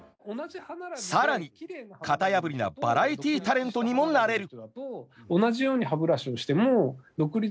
更に型破りなバラエティータレントにもなれる。